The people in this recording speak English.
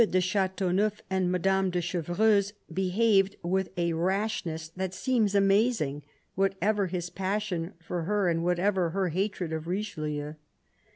de Chateau neuf and Madame de Chevreuse behaved with a rashness that seems amazing, whatever his passion for her and whatever her hatred of Richelieu.